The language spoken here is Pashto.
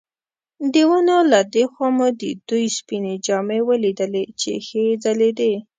د ونو له دې خوا مو د دوی سپینې جامې ولیدلې چې ښې ځلېدې.